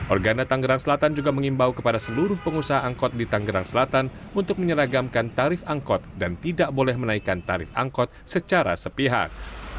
organa tanggerang selatan juga mengimbau kepada seluruh pengusaha angkot di tanggerang selatan untuk menyeragamkan tarif angkot dan tidak boleh menaikkan tarif angkot secara sepihak